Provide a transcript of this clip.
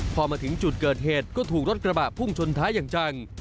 พอมาถึงจุดเกิดเหตุก็ถูกรถกระบะพุ่งชนท้ายอย่างจัง